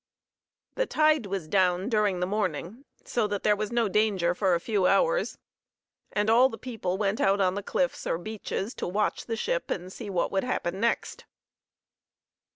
The tide was down during the morning, so that there was no danger for a few hours; and all the people went out on the cliffs and beaches to watch the ship and to see what would happen next.